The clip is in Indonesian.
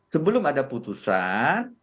sebelum ada putusan